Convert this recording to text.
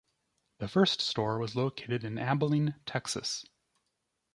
The first store was located in Abilene, Texas.